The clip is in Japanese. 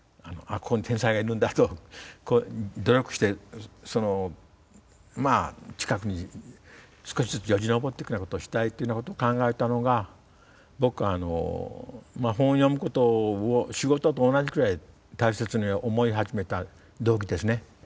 ここに天才がいるんだと努力して近くに少しずつよじ登っていくようなことをしたいというようなことを考えたのが僕が本を読むことを仕事と同じくらい大切に思い始めた動機ですね。